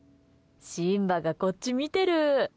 シンバがこっち見てる！